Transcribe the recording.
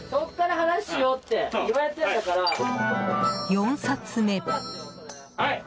４冊目。